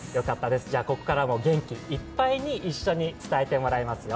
じゃあ、ここからも元気いっぱいに一緒に伝えてもらいますよ。